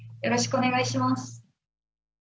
よろしくお願いします。